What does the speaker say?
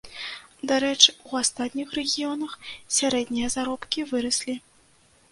Дарэчы, у астатніх рэгіёнах сярэднія заробкі выраслі.